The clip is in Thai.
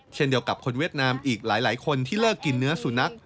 เช่นเดียวกับคนเวียดนามอีกหลายคนที่เลิกกินเนื้อสุนัข